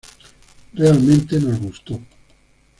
Realmente nos gustó.